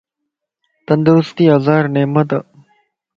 تندرستي ھزار نعمت ا